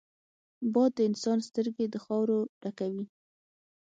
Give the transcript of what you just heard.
باد د انسان سترګې د خاورو ډکوي